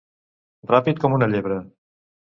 Ràpid com una llebre.